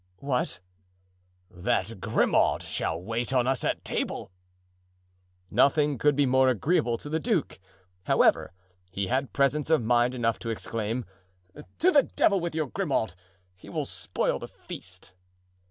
"What?" "That Grimaud shall wait on us at table." Nothing could be more agreeable to the duke, however, he had presence of mind enough to exclaim: "To the devil with your Grimaud! He will spoil the feast."